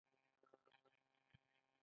خزنده ګان ولې په سینه ځي؟